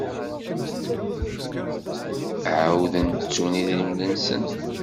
Ɛawden ttun idrimen-nsen.